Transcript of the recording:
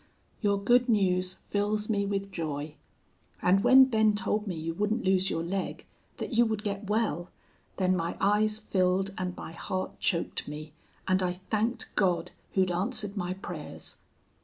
"Your good news fills me with joy. And when Ben told me you wouldn't lose your leg that you would get well then my eyes filled and my heart choked me, and I thanked God, who'd answered my prayers.